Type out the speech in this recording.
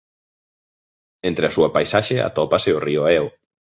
Entre a súa paisaxe atópase o río Eo.